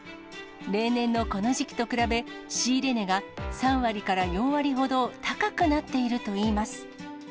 例年のこの時期と比べ、仕入れ値が３割から４割ほど高くなっているといいます。